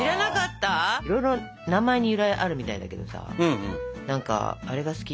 いろいろ名前に由来あるみたいだけどさ何かあれが好きよ。